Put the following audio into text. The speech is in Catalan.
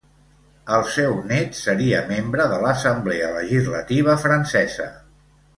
El seu nét seria membre de l'assemblea legislativa francesa.